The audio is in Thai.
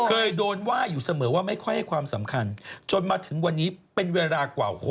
เคยโดนว่าอยู่เสมอว่าไม่ค่อยให้ความสำคัญจนมาถึงวันนี้เป็นเวลากว่า